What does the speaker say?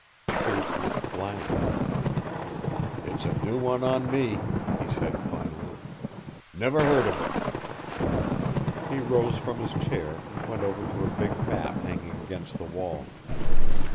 Pearce looked blank. "It's a new one on me," he said, finally. "Never heard of it." He rose from his chair and went over to a big map hanging against the wall.